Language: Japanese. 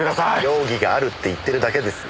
容疑があるって言ってるだけですよ。